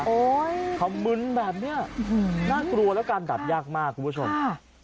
โอ้ยคำมื้นแบบเนี้ยหือน่ากลัวแล้วกันดับยากมากคุณผู้ชมค่ะ